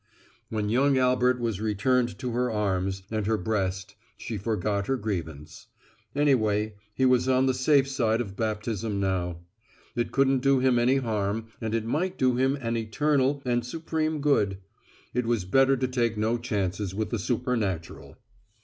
When young Albert was returned to her arms and her breast, she forgot her grievance. Anyway, he was on the safe side of baptism now. It couldn't do him any harm and it might do him an eternal and supreme good. It was better to take no chances with the supernatural.